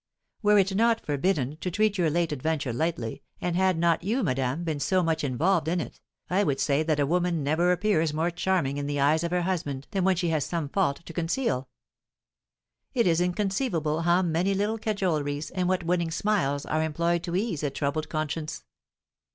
Were it not forbidden to treat your late adventure lightly, and had not you, madame, been so much involved in it, I would say that a woman never appears more charming in the eyes of her husband than when she has some fault to conceal. It is inconceivable how many little cajoleries, and what winning smiles, are employed to ease a troubled conscience.